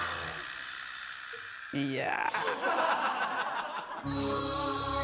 いや。